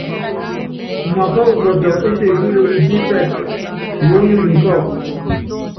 Umapá ukɔtɔ ésekúle upípɛ́tɛ́, wónyonyi kɔ́ɔku.